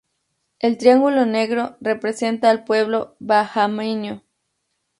El triángulo negro representa al pueblo bahameño.